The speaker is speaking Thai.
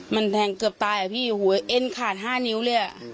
มันแทงเกือบตายเหรอหัวเอ็นขาดห้านิ้วเลย